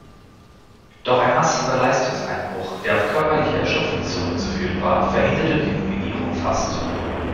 Doch ein massiver Leistungseinbruch, der auf körperliche Erschöpfung zurückzuführen war, verhinderte die Nominierung fast.